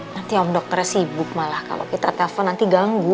nanti om dokternya sibuk malah kalau kita telpon nanti ganggu